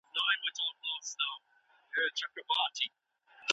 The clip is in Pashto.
که په پارکونو کي ګلان وکرل سي، نو د ښار ښکلا نه خرابیږي.